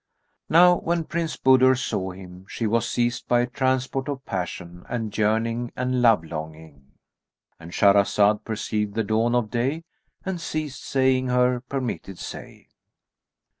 Now when Princess Budur saw him, she was seized by a transport of passion and yearning and love longing,—And Shahrazad per ceived the dawn of day and ceased saying her permitted say.